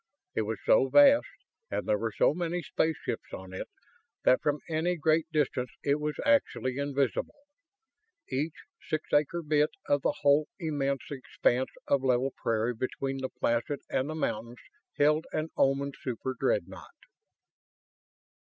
It was so vast, and there were so many spaceships on it, that from any great distance it was actually invisible! Each six acre bit of the whole immense expanse of level prairie between the Placid and the mountains held an Oman superdreadnought!